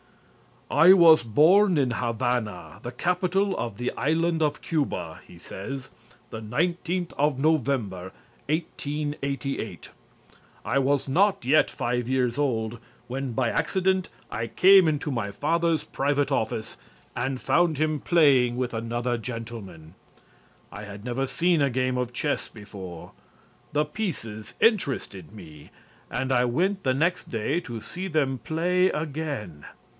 "I was born in Havana, the capital of the Island of Cuba," he says, "the 19th of November, 1888. I was not yet five years old when by accident I came into my father's private office and found him playing with another gentleman. I had never seen a game of chess before; the pieces interested me and I went the next day to see them play again.